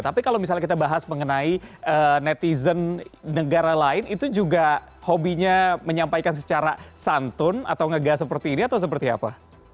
tapi kalau misalnya kita bahas mengenai netizen negara lain itu juga hobinya menyampaikan secara santun atau ngegas seperti ini atau seperti apa